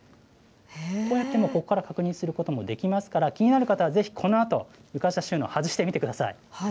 こうやってここから確認することもできますから、気になる方はぜひこのあと、床下収納、外してみてください。